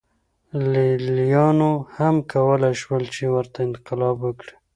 لېلیانو هم کولای شول چې ورته انقلاب وکړي.